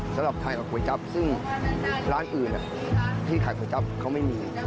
สำหรับไทยกับก๋วยจั๊บซึ่งร้านอื่นที่ขายก๋วยจับเขาไม่มี